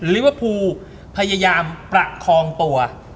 ลิเวอร์พูลพยายามประคองตัว